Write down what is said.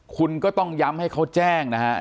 คุณก็ต้องย้ำให้เขาแจ้งนะครับ